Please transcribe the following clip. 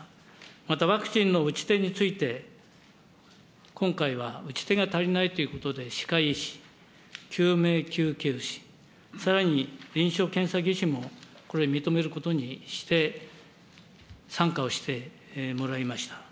またワクチンの打ち手について、今回は打ち手が足りないということで、歯科医師、救命救急士、さらに臨床検査技師もこれ、認めることにして、参加をしてもらいました。